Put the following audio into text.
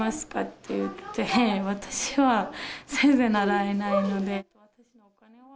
って言って、私は全然払えないので。